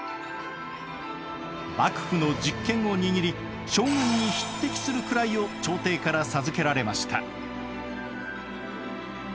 幕府の実権を握り将軍に匹敵する位を朝廷から授けられました。